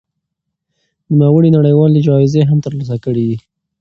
نوموړي نړيوالې جايزې هم ترلاسه کړې دي.